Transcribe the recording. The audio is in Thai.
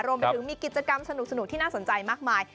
รวมไปถึงมีกิจกรรมสนุกที่น่าสนใจมากมาย